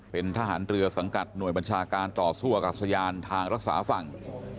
เป็นทหารเรือสังกัดหน่วยบัญชาการต่อสู้อากาศยานทางรักษาฝั่ง